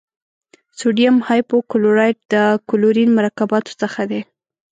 سوډیم هایپو کلورایټ د کلورین مرکباتو څخه دی.